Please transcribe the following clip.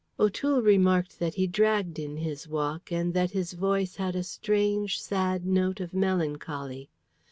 O'Toole remarked that he dragged in his walk and that his voice had a strange, sad note of melancholy.